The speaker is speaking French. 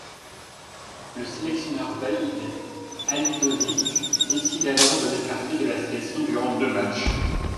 Le sélectionneur Vahid Halilhodžić décide alors de l'écarter de la sélection durant deux matches.